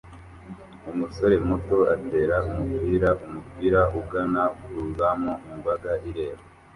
Umusore muto atera umupira umupira ugana ku izamu imbaga ireba